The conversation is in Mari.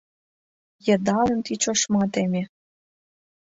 Йыдалем тич ошма теме: